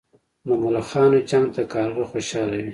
د ملخانو جنګ ته کارغه خوشاله وي.